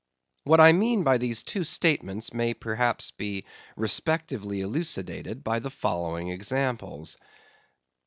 What I mean by these two statements may perhaps be respectively elucidated by the following examples.